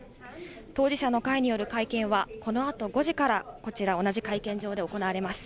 当事者の会による会見は、このあと５時から、こちら、同じ会見場で行われます。